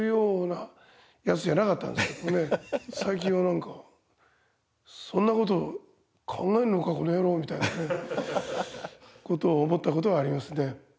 最近はなんかそんな事考えんのかこの野郎みたいな事を思った事はありますね。